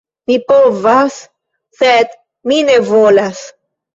Mi povas, sed mi ne volas.